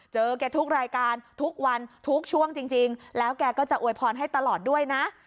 แกทุกรายการทุกวันทุกช่วงจริงแล้วแกก็จะอวยพรให้ตลอดด้วยนะ